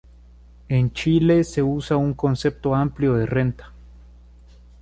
En Chile se usa un concepto amplio de renta.